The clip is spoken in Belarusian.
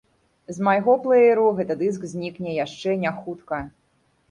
З майго плэеру гэты дыск знікне яшчэ не хутка.